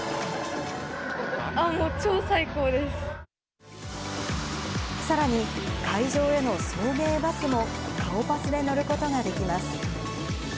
あー、さらに、会場への送迎バスも顔パスで乗ることができます。